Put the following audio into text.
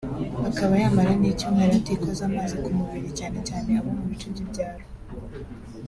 akaba yamara n’icyumweru atikoza amazi ku mubiri cyane cyane abo mu bice by’ibyaro